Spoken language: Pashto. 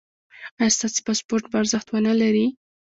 ایا ستاسو پاسپورت به ارزښت و نه لري؟